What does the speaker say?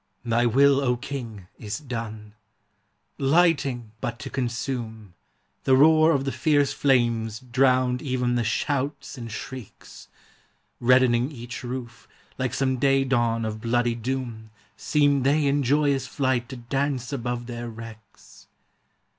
Thy will, O King, is done! Lighting but to consume, The roar of the fierce flames drowned even the shouts and shrieks; Reddening each roof, like some day dawn of bloody doom, Seemed they in joyous flight to dance above their wrecks.